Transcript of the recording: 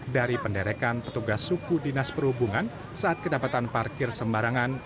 dari penderekan petugas suku dinas perhubungan saat kedapatan parkir sembarangan